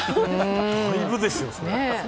だいぶですよね。